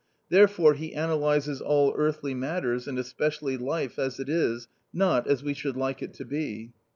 Therefore he analyses all earthly matters and especially life, as it is, not as we should like it to be.